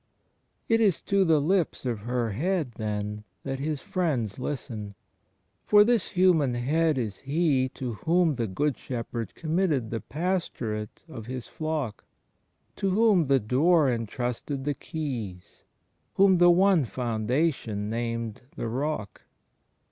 It is to the Kps of her Head, then, that His Friends listen, for this human Head is He to whom the Good Shepherd committed the pastorate of His Flock, to whom the "Door" entrusted "the keys"; whom the "One Foxmdation" named "the Rock."